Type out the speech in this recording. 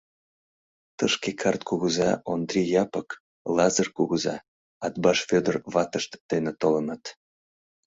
Тышке карт кугыза Ондри Япык, Лазыр кугыза, Атбаш Вӧдыр ватышт дене толыныт.